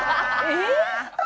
えっ。